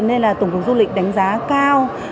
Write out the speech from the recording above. nên tổng thống du lịch đánh giá cao